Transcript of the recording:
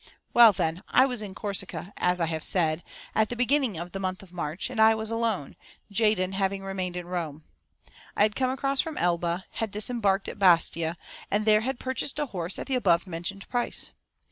Well, then, I was in Corsica, as I have said, at the beginning of the month of March, and I was alone; Jadin having remained at Rome. I had come across from Elba, had disembarked at Bastia, and there had purchased a horse at the above mentioned price.